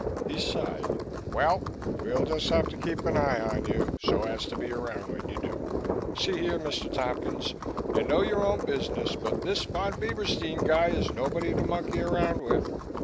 He sighed. "Well, we'll just have to keep an eye on you so as to be around when you do. See here, Mr. Tompkins, you know your own business but this Von Bieberstein guy is nobody to monkey around with.